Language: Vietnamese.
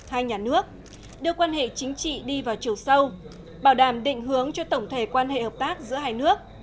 hai nhà nước đưa quan hệ chính trị đi vào chiều sâu bảo đảm định hướng cho tổng thể quan hệ hợp tác giữa hai nước